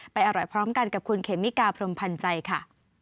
อร่อยพร้อมกันกับคุณเขมิกาพรมพันธ์ใจค่ะ